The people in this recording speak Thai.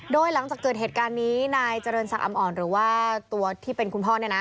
โดยหลังจากเกิดเหตุการณ์นี้นายเจริญศักดิอำอ่อนหรือว่าตัวที่เป็นคุณพ่อเนี่ยนะ